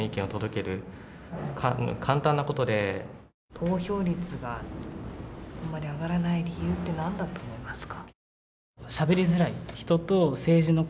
投票率があんまり上がらない理由って何だと思いますか？